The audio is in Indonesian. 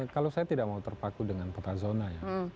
kalau saya tidak mau terpaku dengan peta zona ya